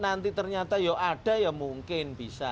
nanti ternyata ya ada ya mungkin bisa